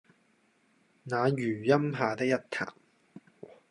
那榆蔭下的一潭